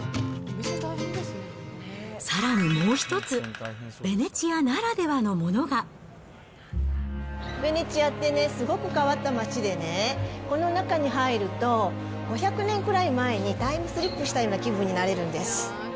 さらにもう一つ、ヴェネツィアってね、すごく変わった街でね、この中に入ると、５００年くらい前にタイムスリップしたような気分になれるんです